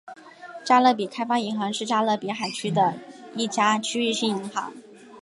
加勒比开发银行是加勒比海地区的一家区域性银行。